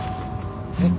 えっ？